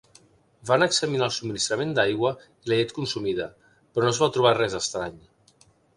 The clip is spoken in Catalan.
Van examinar el subministrament d'aigua i la llet consumida, però no es va trobar res estrany.